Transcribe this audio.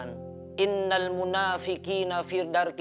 sampai jumpa lagi